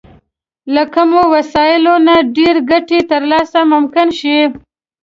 له کمو وسايلو نه د ډېرې ګټې ترلاسی ممکن شي.